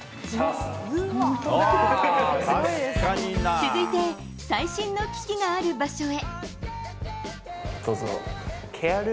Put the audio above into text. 続いて最新の機器がある場所へ。